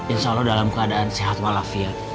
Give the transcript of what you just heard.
insya allah dalam keadaan sehat walafiat